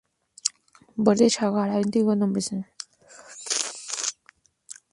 Está situada en el borde del Sahara, y su antiguo nombre es "Colomb-Bechar".